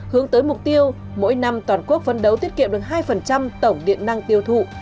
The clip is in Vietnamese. hướng tới mục tiêu mỗi năm toàn quốc phấn đấu tiết kiệm được hai tổng điện năng tiêu thụ